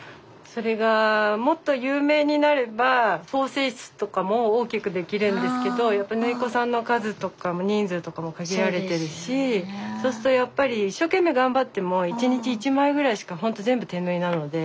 それがもっと有名になれば縫製室とかも大きくできるんですけどやっぱ縫い子さんの数とかも人数とかも限られてるしそうするとやっぱり一生懸命頑張ってもスタジオあそうか。